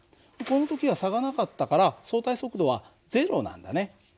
この時は差がなかったら相対速度は０なんだね。